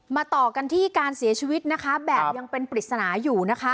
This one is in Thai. ต่อกันที่การเสียชีวิตนะคะแบบยังเป็นปริศนาอยู่นะคะ